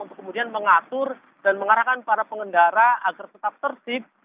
untuk kemudian mengatur dan mengarahkan para pengendara agar tetap tertib